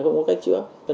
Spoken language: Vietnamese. không có cách chữa